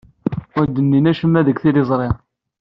Ur d-nnin acemma deg tliẓri.